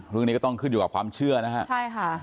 เรื่องนี้ก็ต้องขึ้นอยู่กับความเชื่อนะฮะใช่ค่ะ